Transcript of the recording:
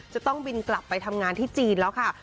จะต้องบินกลับไปทำงานที่จีนแล้วค่ะ